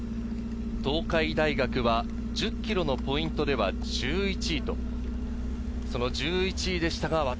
東海大学は１０ｋｍのポイントでは１１位でした。